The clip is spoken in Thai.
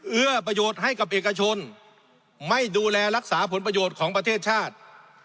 เอื้อประโยชน์ให้กับเอกชนไม่ดูแลรักษาผลประโยชน์ของประเทศชาติ